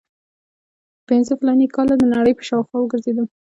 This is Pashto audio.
پنځه فلاني کاله د نړۍ په شاوخوا وګرځېدم.